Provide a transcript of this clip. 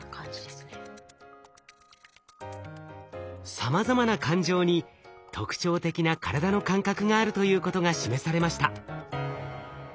さまざまな感情に特徴的な体の感覚があるということが示されました。